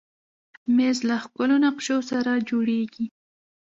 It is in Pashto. مېز له ښکلو نقشو سره جوړېږي.